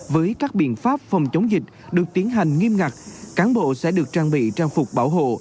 với các biện pháp phòng chống dịch được tiến hành nghiêm ngặt cán bộ sẽ được trang bị trang phục bảo hộ